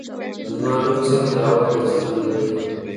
زما لور څنګه ده او حال يې څرنګه دی.